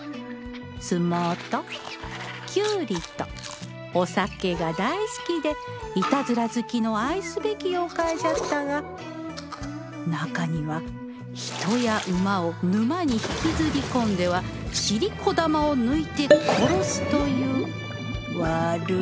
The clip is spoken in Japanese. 相撲ときゅうりとお酒が大好きでいたずら好きの愛すべき妖怪じゃったが中には人や馬を沼に引きずり込んでは尻子玉を抜いて殺すという悪い河童もおったとさ